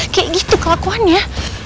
kayak gitu kelakuannya